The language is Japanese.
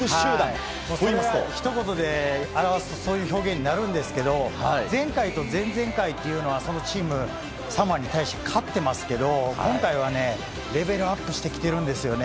ひと言で表すと、そういう表現になるんですけど、前回と前々回っていうのは、チーム、サモアに対して勝ってますけど、今回はね、レベルアップしてきてるんですよね。